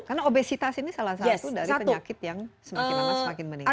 karena obesitas ini salah satu dari penyakit yang semakin lama semakin meningkat